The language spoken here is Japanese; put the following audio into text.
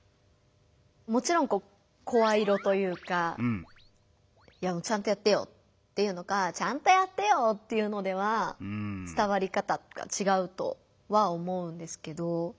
もちろん声色というか「いやちゃんとやってよ」って言うのか「ちゃんとやってよ」って言うのでは伝わり方とかちがうとは思うんですけど。